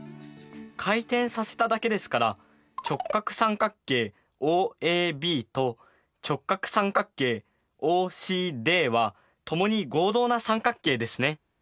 回転させただけですから直角三角形ＯＡＢと直角三角形ＯＣＤは共に合同な三角形ですね。